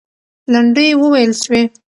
لنډۍ وویل سوې.